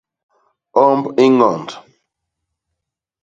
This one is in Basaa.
Omb i ñond.